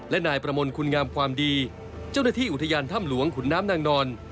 และนายประมนต์คุณงามความดีเจ้าหน้าที่อุทยานถ้ำหลวงขุนน้ำนางนอน